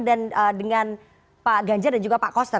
dan dengan pak ganjar dan juga pak koster